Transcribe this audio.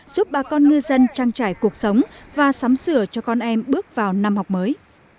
giúp bà con ngư dân trang trải cuộc sống và sắm sửa cho con em bước vào năm học mới